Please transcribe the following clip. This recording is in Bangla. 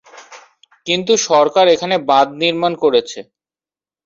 কিন্তু সরকার এখানে বাঁধ নির্মাণ করেছে।